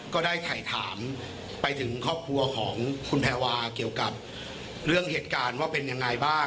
ก็ได้ถ่ายถามไปถึงครอบครัวของคุณแพรวาเกี่ยวกับเรื่องเหตุการณ์ว่าเป็นยังไงบ้าง